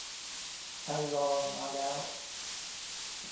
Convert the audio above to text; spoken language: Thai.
ไอลอว์ มาแล้ว